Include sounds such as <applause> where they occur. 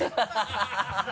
ハハハ <laughs>